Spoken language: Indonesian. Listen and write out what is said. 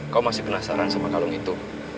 kau masih penasaran sama kalung itu